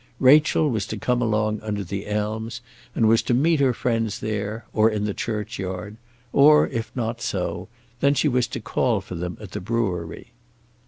Rachel was to come along under the elms, and was to meet her friends there, or in the churchyard, or, if not so, then she was to call for them at the brewery.